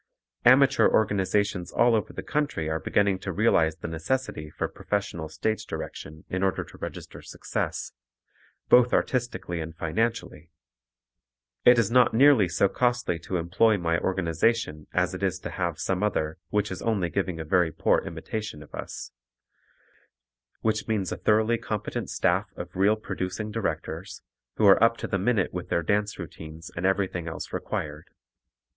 Amateur organizations all over the country are beginning to realize the necessity for professional stage direction in order to register success, both artistically and financially. It is not nearly so costly to employ my organization as it is to have some other which is only giving a very poor imitation of us, which means a thoroughly competent staff of real producing directors, who are up to the minute with their dance routines and everything else required.